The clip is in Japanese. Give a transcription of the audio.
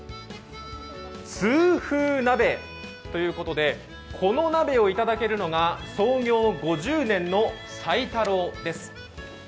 痛風鍋ということでこの鍋をいただけるのが創業５０年の斎太郎です。